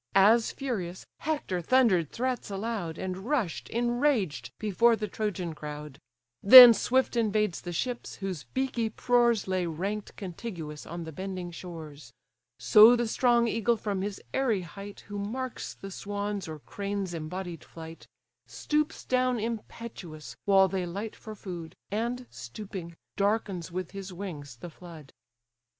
As furious, Hector thunder'd threats aloud, And rush'd enraged before the Trojan crowd; Then swift invades the ships, whose beaky prores Lay rank'd contiguous on the bending shores; So the strong eagle from his airy height, Who marks the swans' or cranes' embodied flight, Stoops down impetuous, while they light for food, And, stooping, darkens with his wings the flood.